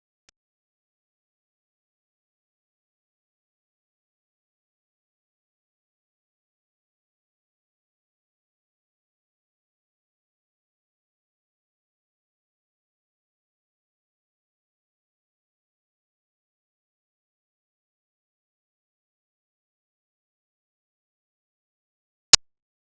โปรดติดตามต่อไป